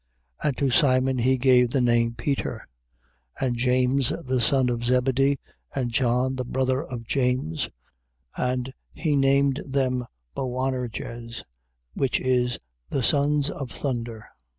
3:16. And to Simon he gave the name Peter: 3:17. And James the son of Zebedee, and John the brother of James; and he named them Boanerges, which is, The sons of thunder.